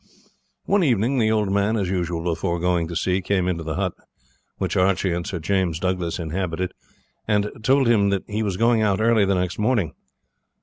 One evening the old man, as usual before going to sea, came into the hut which Archie and Sir James Douglas inhabited, and told him that he was going out early the next morning.